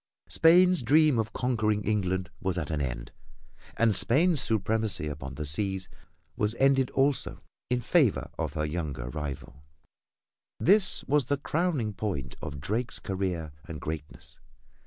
Spain's dream of conquering England was at an end and Spain's supremacy upon the seas was ended also in favor of her younger rival. This was the crowning point of Drake's career and greatness.